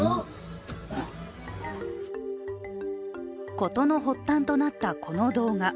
事の発端となった、この動画。